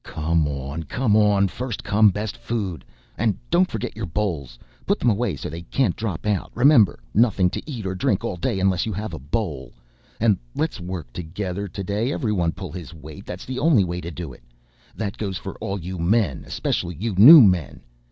"Come on, come on, first come best food. And don't forget your bowls, put them away so they can't drop out, remember nothing to eat or drink all day unless you have a bowl. And let's work together today, everyone pull his weight, that's the only way to do it. That goes for all you men, specially you new men.